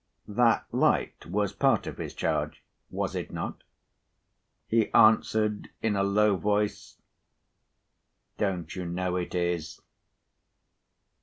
That light was part of his charge? Was it not? He answered in a low voice: "Don't you know it is?"